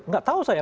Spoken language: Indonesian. nggak tahu saya